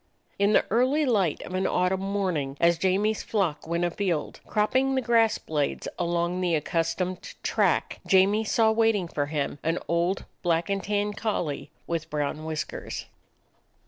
In the early light of an autumn morning, as Jamie's flock went afield, cropping the grass blades along the accustomed track, Jamie saw waiting for him an old black and tan collie with brown whiskers.